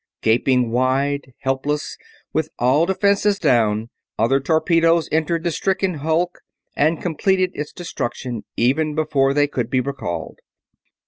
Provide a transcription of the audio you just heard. Gaping wide, helpless, with all defenses down, other torpedoes entered the stricken hulk and completed its destruction even before they could be recalled.